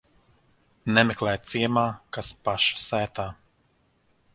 Nemeklē ciemā, kas paša sētā.